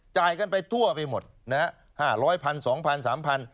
จ่ายกันไปทั่วไปหมดนะฮะ๕๐๐พันสองพันสามพัน